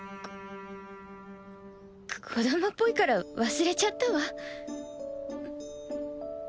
こ子どもっぽいから忘れちゃったわ。